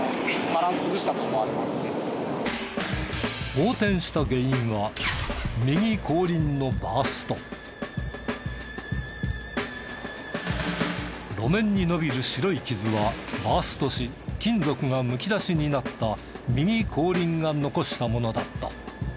横転した原因は路面に伸びる白い傷はバーストし金属がむき出しになった右後輪が残したものだった。